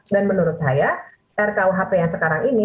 dan menurut saya rkuhp yang sekarang ini